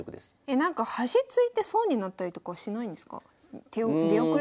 なんか端突いて損になったりとかはしないんですか？